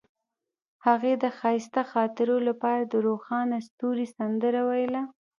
هغې د ښایسته خاطرو لپاره د روښانه ستوري سندره ویله.